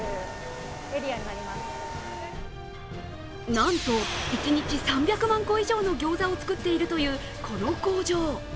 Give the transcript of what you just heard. なんと、一日３００万個以上のギョーザを作っているというこの工場。